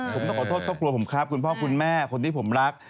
ผมต้องขอโทษครอบครัวผมครับคุณพ่อคุณแม่คนที่ผมรัก